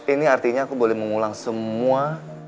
ini artinya aku boleh mengulang semua